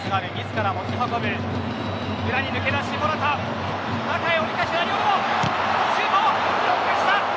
シュート！